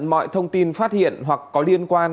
mọi thông tin phát hiện hoặc có liên quan